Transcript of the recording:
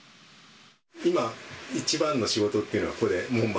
今、一番の仕事っていうのは、これ、門番？